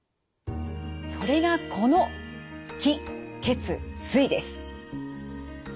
それがこの気・血・水です。